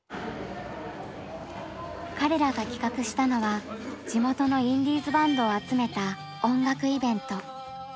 彼らが企画したのは地元のインディーズバンドを集めた音楽イベント。